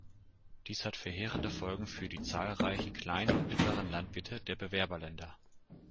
Dies hat verheerende Folgen für die zahlreichen kleinen und mittleren Landwirte der Bewerberländer.